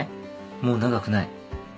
もう長くない。